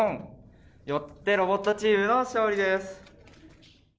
よってロボットチームの勝利です！